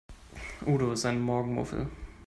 Udo ist ein Morgenmuffel.